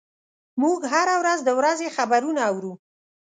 موږ هره ورځ د ورځې خبرونه اورو.